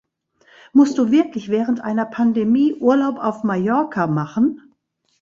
Musst du wirklich während einer Pandemie Urlaub auf Mallorca machen?